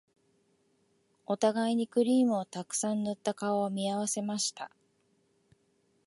お互いにクリームをたくさん塗った顔を見合わせました